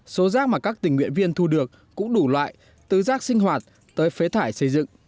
số rác mà các tình nguyện viên thu được cũng đủ loại từ rác sinh hoạt tới phế thải xây dựng